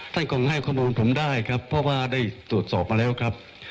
ท่านคงให้ข้อมูลผมได้ครับเพราะว่าได้ตรวจสอบมาแล้วครับ